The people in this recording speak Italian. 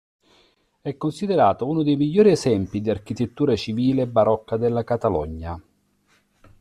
È considerato uno dei migliori esempi di architettura civile barocca della Catalogna.